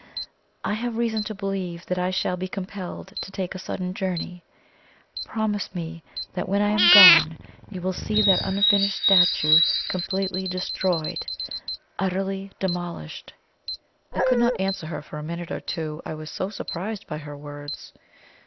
I have reason to believe that I shall be compelled to take a sudden journey promise me that when I am gone you will see that unfinished statue completely destroyed utterly demolished." I could not answer her for a minute or two, I was so surprised by her words.